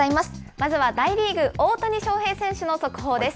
まずは大リーグ、大谷翔平選手の速報です。